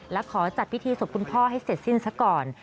และขอจัดพิธีศพคุณพ่อให้เสร็จสิ้นซะก่อน